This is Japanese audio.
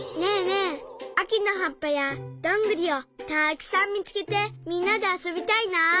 えあきのはっぱやどんぐりをたくさんみつけてみんなであそびたいな。